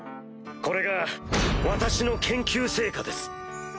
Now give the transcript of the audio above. これが私の研究成果です！